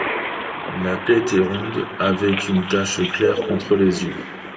La tête est ronde avec une tache claire entre les yeux.